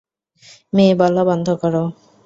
মেয়ে বলা বন্ধ কর।